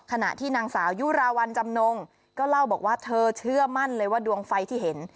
ขณะที่นางสาวยุราวัลจำนงก็เล่าบอกว่าเธอเชื่อมั่นเลยว่าดวงไฟที่เห็น